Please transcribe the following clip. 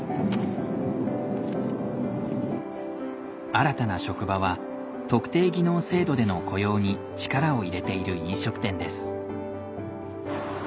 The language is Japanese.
新たな職場は特定技能制度での雇用に力を入れている飲食店です。